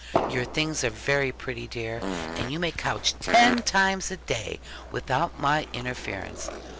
Your things are very pretty, dear; and you may couch ten times a day, without my interference.